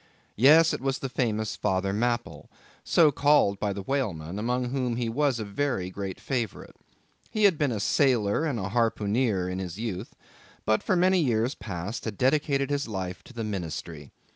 Yes, it was the famous Father Mapple, so called by the whalemen, among whom he was a very great favourite. He had been a sailor and a harpooneer in his youth, but for many years past had dedicated his life to the ministry.